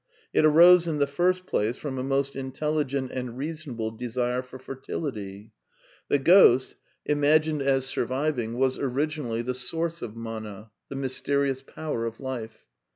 It arose, in the first place, from a most intelligent and reasonable desire for fertility. The ghost, imagined as 824 A DEFENCE OF IDEALISM snrvwingy was, originally, the source of mana, the mya teriotts power of life.